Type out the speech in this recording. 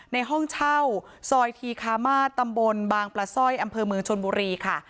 ในห้องเช่าซอยทีคามาสตำบลบางปลาสร้อยอำเภอเมืองชนบุรีค่ะ